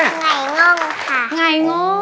ไหง่ง้องค่ะ